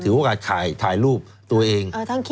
โอกาสถ่ายรูปตัวเอง